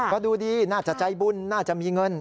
ก็ดูดีน่าจะใจบุญน่าจะมีเงิน